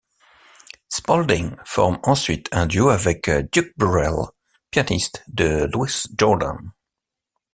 Spalding forme ensuite un duo avec Duke Burrell, pianiste de Louis Jordan.